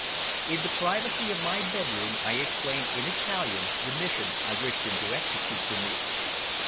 In the privacy of my bedroom I explained in Italian the mission I wished him to execute for me.